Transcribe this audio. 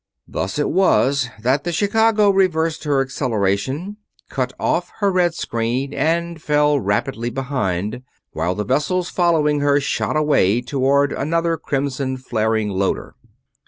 Thus it was that the Chicago reversed her acceleration, cut off her red screen, and fell rapidly behind, while the vessels following her shot away toward another crimson flaring loader.